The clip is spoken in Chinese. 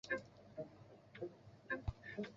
列宁格勒电影制片厂出品。